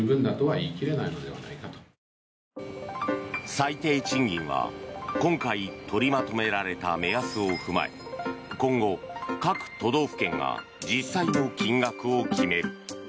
最低賃金は今回取りまとめられた目安を踏まえ今後、各都道府県が実際の金額を決める。